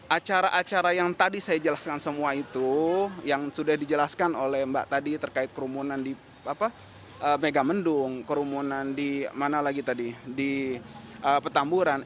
acara acara yang tadi saya jelaskan semua itu yang sudah dijelaskan oleh mbak tadi terkait kerumunan di megamendung kerumunan di mana lagi tadi di petamburan